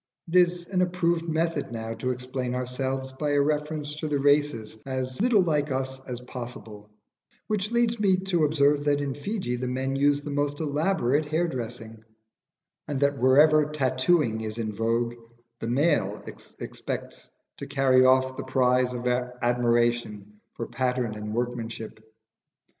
It is an approved method now to explain ourselves by a reference to the races as little like us as possible, which leads me to observe that in Fiji the men use the most elaborate hair dressing, and that wherever tattooing is in vogue the male expects to carry off the prize of admiration for pattern and workmanship.